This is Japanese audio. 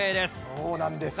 そうなんです。